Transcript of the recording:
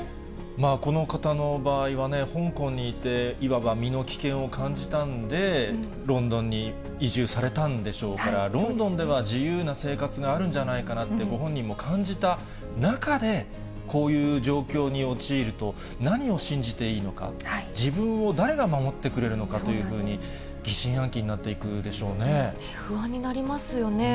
この方の場合はですね、香港にいて、いわば身の危険を感じたんで、ロンドンに移住されたんでしょうから、ロンドンでは自由な生活があるんじゃないかなって、ご本人も感じた中で、こういう状況に陥ると、何を信じていいのか、自分を誰が守ってくれるのかというふうに、不安になりますよね。